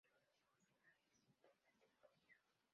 El objetivo final es siempre la etimología.